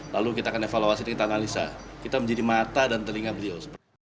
lalu kita akan evaluasi kita analisa kita menjadi mata dan telinga beliau